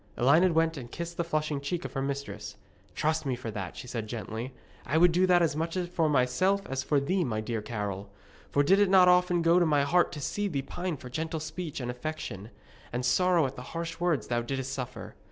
Elined went and kissed the flushing cheek of her mistress. 'Trust me for that,' she said gently. 'I would do that as much for myself as for thee, my dear Carol. For did it not often go to my heart to see thee pine for gentle speech and affection, and sorrow at the harsh words thou didst suffer?